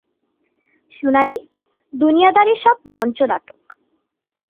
শুনানি, দুনিয়াদারি, সব মঞ্চ নাটক।